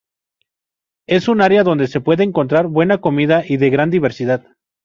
Es un área donde se puede encontrar buena comida y de gran diversidad.